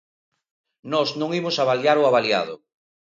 Nós non imos avaliar o avaliado.